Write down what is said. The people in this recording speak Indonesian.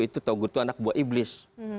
itu togut itu anak buah iblis